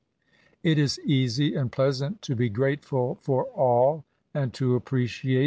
It is easy and pleasant to be grateful for all, and to appreciate 12 B08AT8.